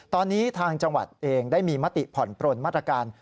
ตอนนี้ทางจังหวัดเองได้มีมติผ่อนปลนมาตรการ